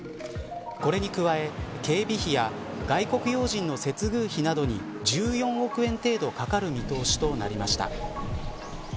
これに加え、警備費や外国要人の接遇費などに１４億円程度かかる見通しとなりました。